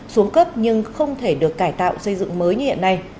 xuống cấp nhưng không thể được cải tạo xây dựng mới như hiện nay